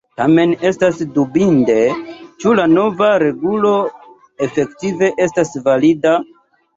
Tamen estas dubinde, ĉu la nova regulo efektive estas valida.